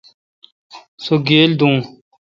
سو گیل دو۔